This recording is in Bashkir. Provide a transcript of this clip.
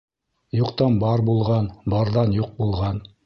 Юҡтан бар булған, барҙан юҡ булған.